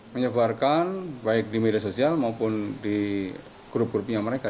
menyebarkan baik di media sosial maupun di grup grupnya mereka